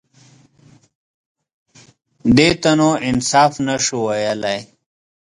_دې ته نو انصاف نه شو ويلای.